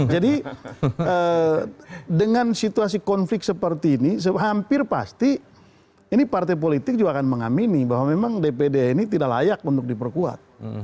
jadi dengan situasi konflik seperti ini hampir pasti ini partai politik juga akan mengamini bahwa memang dpd ini tidak layak untuk diperkuat